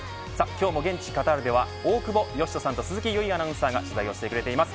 今日も現地カタールでは大久保嘉人さんと鈴木唯アナウンサーが取材をしてくれています